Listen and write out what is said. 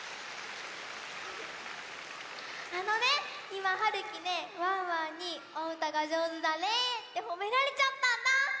あのねいまはるきねワンワンに「おうたがじょうずだね」ってほめられちゃったんだ！